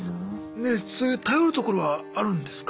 ねえそういう頼るところはあるんですか？